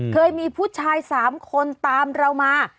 เคยมีผู้ชาย๓คนตามเรามา